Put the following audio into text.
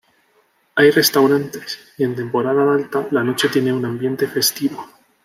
Hay restaurantes, y en temporada alta la noche tiene un ambiente festivo.